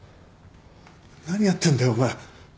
何やってんだよお前。